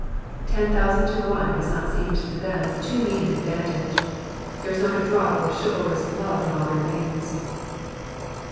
Ten thousand to one has not seemed to them too mean an advantage ; there is not a drop of chivalrous blood in all their veins.